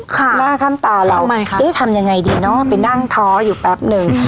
ข้ามหน้าข้ามตาเราทำไมคะเอ๊ะทำยังไงดีเนอะไปนั่งท้ออยู่แป๊บนึง